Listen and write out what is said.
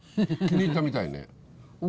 気に入ったみたいね。